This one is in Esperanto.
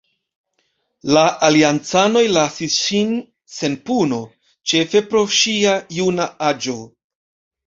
La aliancanoj lasis ŝin sen puno, ĉefe pro ŝia juna aĝo.